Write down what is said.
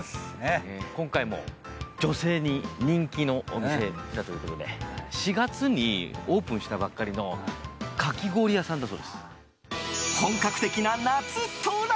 今回も女性に人気のお店だということで４月にオープンしたばかりの本格的な夏到来！